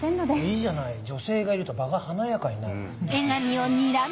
いいじゃない女性がいると場が華やかになる。